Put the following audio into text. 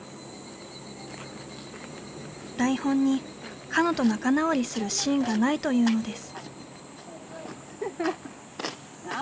台本にかのと仲直りするシーンがないと言うのです。